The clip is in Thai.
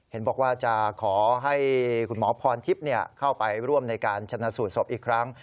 เห็นบอกว่าจะขอให้คุณหมอพรทิพย์เข้าไปร่วมในการชนะสูตรศพอีกครั้ง